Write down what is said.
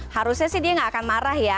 harusnya sih dia nggak akan marah ya